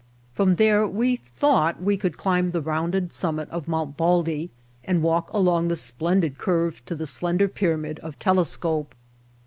From there we thought we could climb the rounded summit of Mt. Baldy and walk along the splendid curve to the slender pyramid of Telescope.